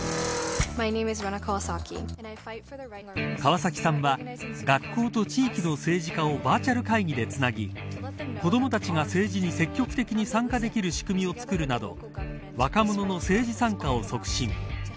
川崎さんは学校と地域の政治家をバーチャル会議でつなぎ子どもたちが政治に積極的に参加できる仕組みを作るなど若者の政治参加を促進。